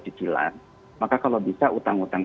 cicilan maka kalau bisa utang utang